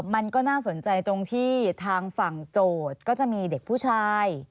มันก็น่าสนใจตรงที่ทางฝั่งโจทย์ก็จะมีเด็กผู้ชาย